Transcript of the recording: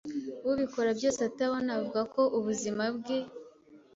ubikora byose atabona, avuga ko ubuzima bwe